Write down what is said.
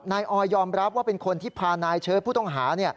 ออยยอมรับว่าเป็นคนที่พานายเชิดผู้ต้องหา